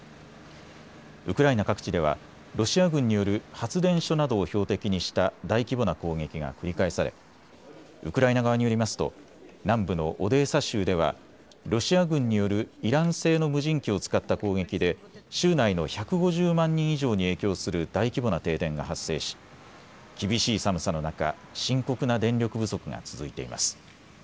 ウクライナ各地ではロシア軍による発電所などを標的にした大規模な攻撃が繰り返されウクライナ側によりますと南部のオデーサ州ではロシア軍によるイラン製の無人機を使った攻撃で州内の１５０万人以上に影響する大規模な停電が発生し厳しい寒さの中、深刻な電力不足が続いています。